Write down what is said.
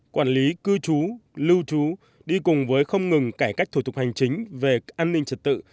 quản lý cư trú lưu trú đi cùng với không ngừng cải cách thủ tục hành chính về an ninh trật tự